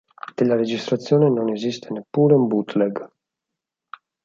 Della registrazione non esiste neppure un bootleg.